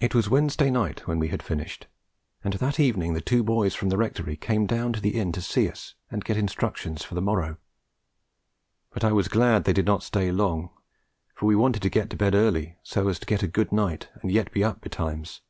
It was Wednesday night when we had finished, and that evening the two boys from the Rectory came down to the inn to see us and get instructions for the morrow; but I was glad they did not stay long, for we wanted to go to bed early, so as to get a good night and yet be up betimes.